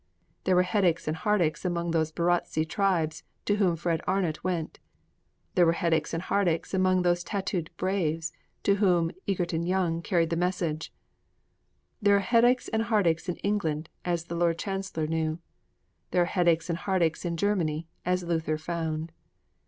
There were headaches and heartaches among those Barotse tribes to whom Fred Arnot went! There were headaches and heartaches among those tattooed braves to whom Egerton Young carried the message! There are headaches and heartaches in England, as the Lord Chancellor knew! There are headaches and heartaches in Germany, as Luther found!